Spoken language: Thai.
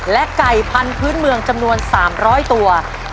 และไก่พันธุ์เมืองจำนวน๓๐๐ตัว